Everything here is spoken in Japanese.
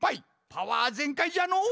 パワーぜんかいじゃのう！